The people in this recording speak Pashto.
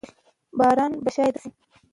باران به شاید راشي.